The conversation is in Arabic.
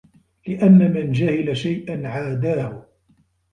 لِأَنَّ مَنْ جَهِلَ شَيْئًا عَادَاهُ